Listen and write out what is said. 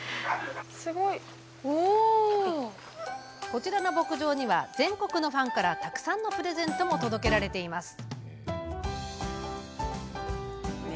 この牧場には、全国のファンからたくさんのプレゼントも届けられています。